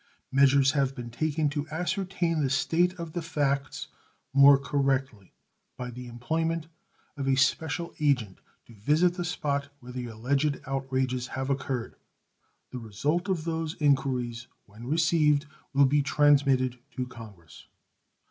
Measures have been taken to ascertain the state of the facts more correctly by the employment of a special agent to visit the spot where the alleged outrages have occurred, the result of those inquiries, when received, will be transmitted to Congress.